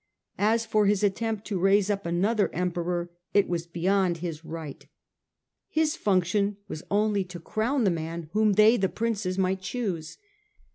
As for his attempt to raise up another Emperor, it was beyond his right. His function was only to crown the i 7 4 STUPOR MUNDI man whom they, the Princes, might choose.